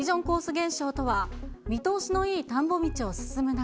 現象とは、見通しのいい田んぼ道を進む中、